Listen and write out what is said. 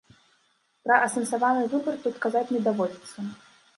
Пра асэнсаваны выбар тут казаць не даводзіцца.